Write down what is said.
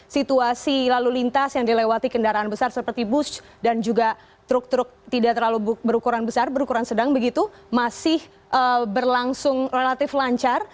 situasi lalu lintas yang dilewati kendaraan besar seperti bus dan juga truk truk tidak terlalu berukuran besar berukuran sedang begitu masih berlangsung relatif lancar